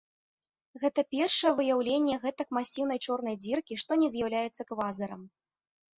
Гэта першае выяўленне гэтак масіўнай чорнай дзіркі, што не з'яўляецца квазарам.